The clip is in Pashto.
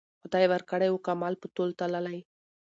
خدای ورکړی وو کمال په تول تللی